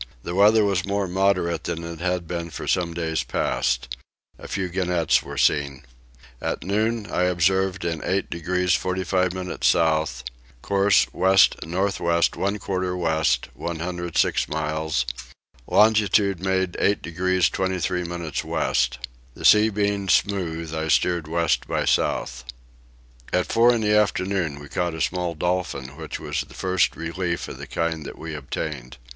The weather was more moderate than it had been for some days past. A few gannets were seen. At noon I observed in 8 degrees 45 minutes south; course west north west one quarter west, 106 miles; longitude made 8 degrees 23 minutes west. The sea being smooth I steered west by south. At four in the afternoon we caught a small dolphin, which was the first relief of the kind that we obtained.